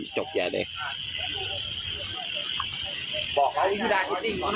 จบอย่าเลย